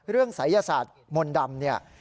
เรื่องศัยยศาสตร์มนต์ดำ